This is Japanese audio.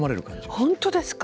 本当ですか？